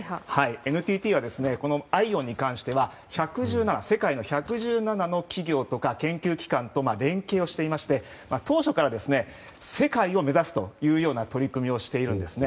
ＮＴＴはこのＩＯＷＮに関しては世界の１１７の企業や研究機関と連携していまして当初から、世界を目指すという取り組みをしているんですね。